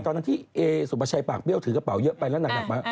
ตอนที่เอ๊สุบัชยปากเปรี้ยวถือกระเป๋าเยอะไปแล้วหนักมา